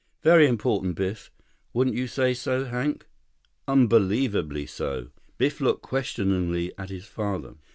"Very important, Biff. Wouldn't you say so, Hank?" "Unbelievably so." Biff looked questioningly at his father.